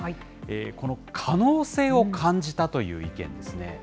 この可能性を感じたという意見ですね。